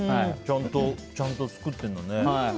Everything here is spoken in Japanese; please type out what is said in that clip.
ちゃんと作ってるんだね。